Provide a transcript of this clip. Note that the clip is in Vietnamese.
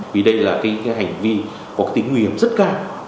vì đây là cái hành vi có cái nguy hiểm rất cao